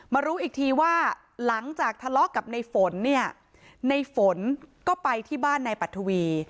รู้อีกทีว่าหลังจากทะเลาะกับในฝนเนี่ยในฝนก็ไปที่บ้านนายปัทวี